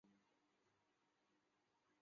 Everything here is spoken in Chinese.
我继续走的时候